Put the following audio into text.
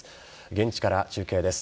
現地から中継です。